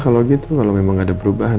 kalau gitu kalau memang ada perubahan